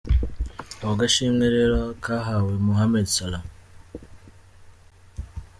Ako gashimwe rero kahawe Mohamed Salah .